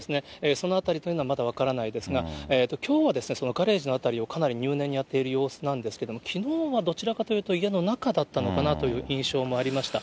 そのあたりというのはまだ分からないですが、きょうはそのガレージの辺りをかなり入念にやっている様子なんですけれども、きのうはどちらかと言うと、家の中だったのかなという印象もありました。